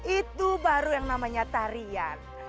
itu baru yang namanya tarian